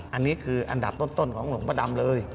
อันนี้คืออันดับต้นของหลวงพระดำเลย